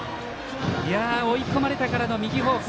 追い込まれてからの右方向。